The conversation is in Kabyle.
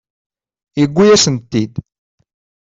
Yuwi-asen-tent-id.